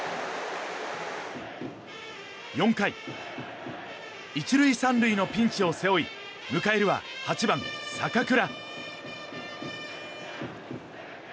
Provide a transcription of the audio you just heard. ４回、１塁３塁のピンチを背負い迎えるは８番、坂倉。